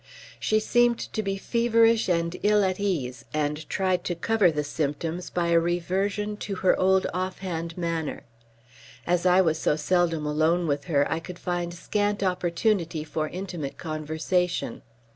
She seemed to be feverish and ill at ease, and tried to cover the symptoms by a reversion to her old offhand manner. As I was so seldom alone with her I could find scant opportunity for intimate conversation.